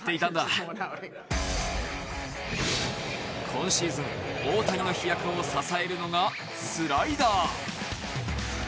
今シーズン大谷の飛躍を支えるのがスライダー。